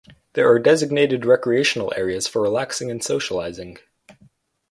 There are designated recreational areas for relaxing and socializing.